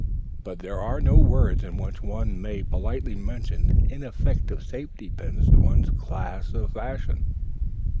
But there are no words in which one may politely mention ineffective safety pins to one's glass of fashion.